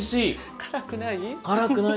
辛くない？